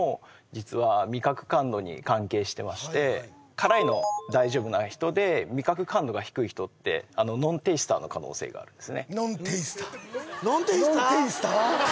実は味覚感度に関係してまして辛いの大丈夫な人で味覚感度が低い人ってノンテイスターの可能性があるんですねノンテイスターノンテイスター？ノンテイスター？